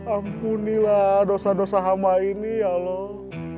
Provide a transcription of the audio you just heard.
ampunilah dosa dosa hama ini ya allah